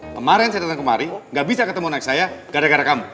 kemarin saya datang kemari nggak bisa ketemu anak saya gara gara kamu